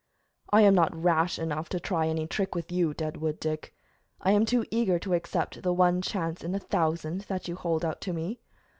"I am not rash enough to try any trick with you, Deadwood Dick. I am too eager to accept the one chance in a thousand that you hold out to me.